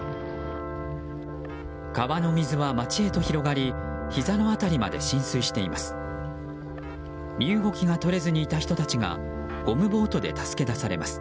川の水は街へと広がりひざの辺りまで浸水しています。